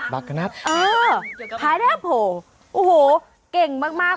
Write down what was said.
พระนักโผล่เก่งมาก